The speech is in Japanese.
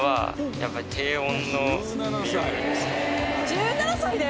１７歳で！？